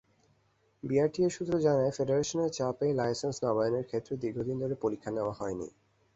BRTA সূত্র জানায়, ফেডারেশনের চাপেই লাইসেন্স নবায়নের ক্ষেত্রে দীর্ঘদিন ধরে পরীক্ষা নেওয়া যায়নি।